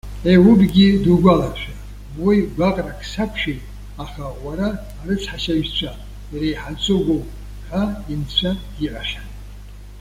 Еиубгьы дугәаларшәа! Уи:- Гәаҟрак сақәшәеит, аха Уара арыцҳашьаҩцәа иреиҳаӡоу уоуп,- ҳәа инцәа диҳәахьан.